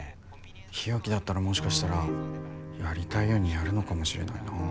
日置だったらもしかしたらやりたいようにやるのかもしれないな。